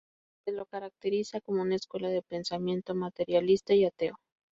Se lo caracteriza como una escuela de pensamiento materialista y ateo.